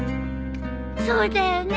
そうだよね。